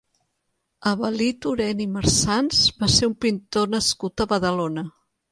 Eveli Torent i Marsans va ser un pintor nascut a Badalona.